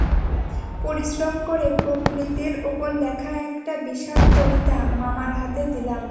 পরিশ্রম করে প্রকৃতির ওপর লেখা একটা বিশাল কবিতা মামার হাতে দিলাম।